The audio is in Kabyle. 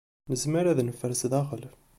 Nezmer ad neffer sdaxel.